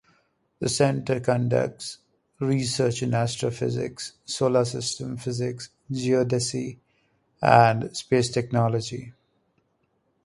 The Center conducts research in astrophysics, Solar System physics, geodesy, and space technology.